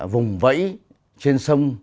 vùng vẫy trên sông